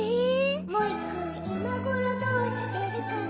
「モイくんいまごろどうしてるかな？」